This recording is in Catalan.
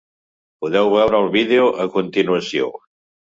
Podeu veure el vídeo a continuació.